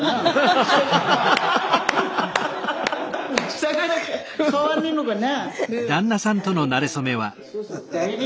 だから変わんねえのかな。